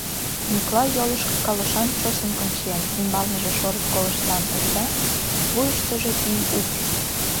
Мӱклай йолышко калошан чосынкым чиен, ӱмбалныже шорык коваштан ужга, вуйыштыжо пий упш.